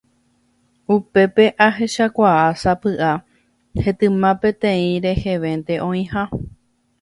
Upépe ahechakuaa sapy'a hetyma peteĩ rehevénte oĩha.